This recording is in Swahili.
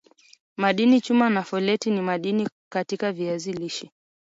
madini chuma na foleti ni madini katika viazi lishe